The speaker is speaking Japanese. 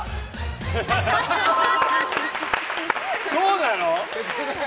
そうなの？